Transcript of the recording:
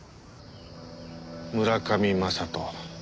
村上雅人